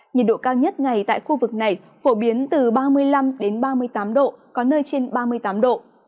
nhiệt độ cao nhất ngày tại khu vực này phổ biến từ ba mươi năm ba mươi tám độ có nơi trên ba mươi tám độ